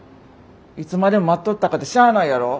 いつまでも待っとったかてしゃないやろ。